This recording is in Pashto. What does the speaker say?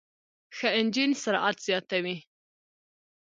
ښه انجن سرعت زیاتوي.